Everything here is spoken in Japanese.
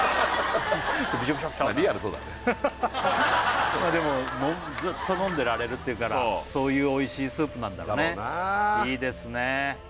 ビショビショビショでもずっと飲んでられるって言うからそういうおいしいスープなんだろうねだろうないいですね